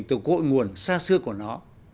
từ cội nguồn xa xưa của nó